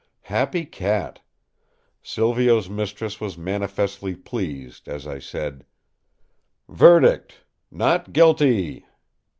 Happy cat! Silvio's mistress was manifestly pleased as I said: "Verdict, 'not guilty!